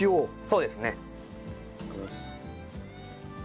そうですね。